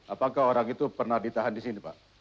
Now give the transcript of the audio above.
apakah orang itu pernah ditahan di sini pak